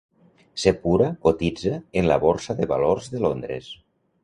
Sepura cotitza en la borsa de valors de Londres.